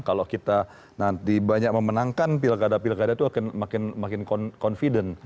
kalau kita nanti banyak memenangkan pilkada pilkada itu akan makin confident